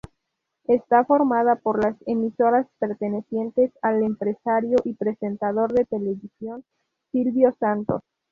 Está formada por las emisoras pertenecientes al empresario y presentador de televisión Silvio Santos.